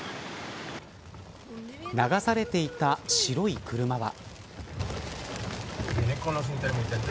流されていた白い車は。